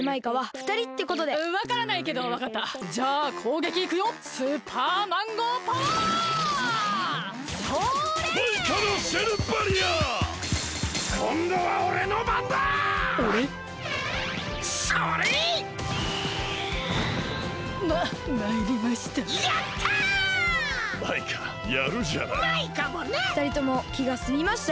ふたりともきがすみました？